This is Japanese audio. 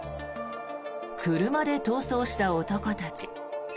車で逃走した男たち。